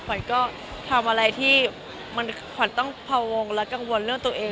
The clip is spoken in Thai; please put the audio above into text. ขวัญก็ทำอะไรที่มันขวัญต้องพวงและกังวลเรื่องตัวเอง